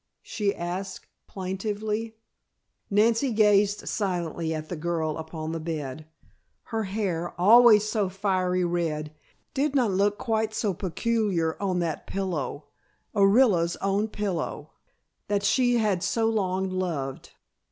she asked plaintively. Nancy gazed silently at the girl upon the bed. Her hair, always so fiery red, did not look quite so peculiar on that pillow Orilla's own pillow, that she had so long loved.